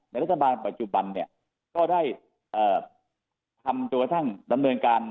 รัฐบาลปัจจุบันเนี่ยก็ได้ทำจนกระทั่งดำเนินการ